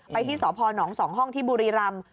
ไปที่สพหนองสองห้องที่บุรีรำ